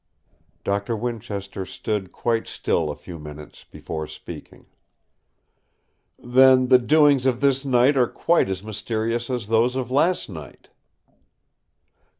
Doctor Winchester stood quite still a few minutes before speaking: "Then the doings of this night are quite as mysterious as those of last night?"